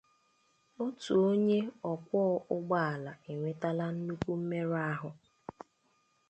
Otu onye ọkwọ ụgbọala enwetela nnukwu mmerụahụ